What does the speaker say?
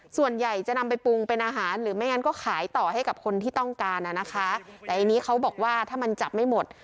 ส่วนใหญ่จะนำไปปรุงเป็นอาหารหรือไม่งั้นก็ขายต่อให้กับคนที่ต้องการนะคะแต่อันนี้เขาบอกว่าถ้ามันจับไม่หมด